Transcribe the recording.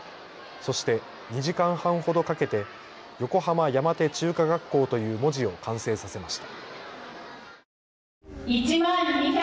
そして２時間半ほどかけて横浜山手中華学校という文字を完成させました。